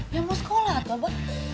ya mau sekolah atau apa